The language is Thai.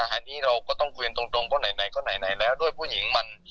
อันนี้เราก็ต้องคุยตรงก็ไหนแล้วด้วยผู้หญิงมัน